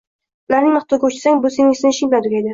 ularning maqtoviga uchsang, bu sening sinishing bilan tugaydi.